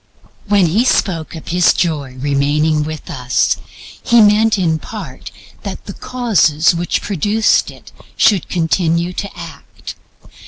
When He spoke of His Joy remaining with us He meant in part that the causes which produced it should continue to act.